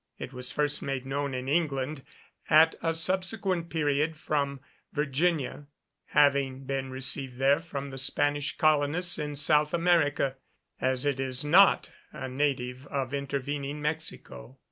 It was first made known in England at a subsequent period from Virginia, having been received there from the Spanish colonists in South America, as it is not a native of intervening Mexico.